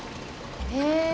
へえ。